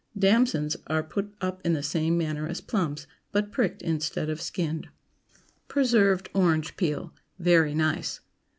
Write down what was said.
DAMSONS Are put up in the same manner as plums, but pricked instead of skinned. PRESERVED ORANGE PEEL. (_Very nice.